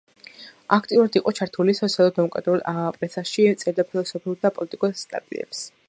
აქტიურად იყო ჩართული სოციალ-დემოკრატიულ პრესაში, წერდა ფილოსოფიურ და პოლიტიკურ სტატიებს.